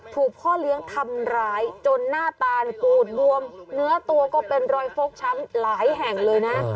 ถูกพ่อเลี้ยงทำร้ายจนหน้าตาปูดบวมเนื้อตัวก็เป็นรอยฟกช้ำหลายแห่งเลยนะ